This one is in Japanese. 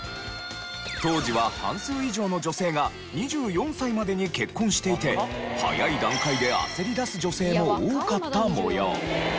当時は半数以上の女性が２４歳までに結婚していて早い段階で焦り出す女性も多かったもよう。